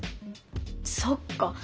そっか！